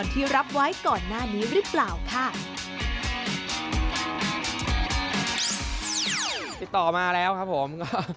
ติดต่อมาแล้วครับผม